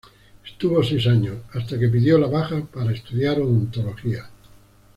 Estuvo seis años, hasta que pidió la baja para estudiar odontología.